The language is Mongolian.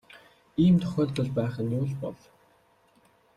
Ийм тохиолдол байх нь юу л бол.